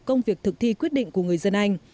công việc thực thi quyết định của người dân anh